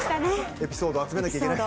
エピソード集めなきゃいけない。